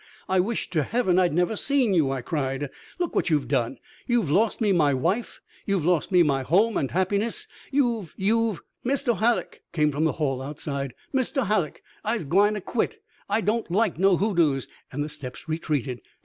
I wish to heaven I'd never seen you!" I cried. "Look what you've done! You've lost me my wife, you've lost me my home and happiness, you've you've " "Misto Hallock," came from the hall outside, "Misto Hallock, I's gwine t' quit. I don't like no hoodoos." And the steps retreated.